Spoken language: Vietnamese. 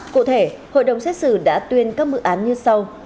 cụ thể hội đồng xét xử đã tuyên các mức án như sau